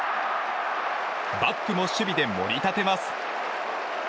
バックも守備で盛り立てます。